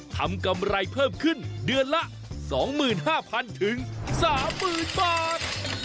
ทำกำไรเพิ่มขึ้นเดือนละสองหมื่นห้าพันถึงสามหมื่นบาท